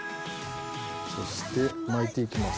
そして巻いて行きます。